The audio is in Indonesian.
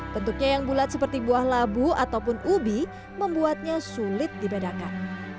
bentuknya yang bulat seperti buah labu ataupun ubi membuatnya sulit dibedakan